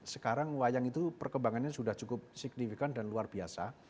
sekarang wayang itu perkembangannya sudah cukup signifikan dan luar biasa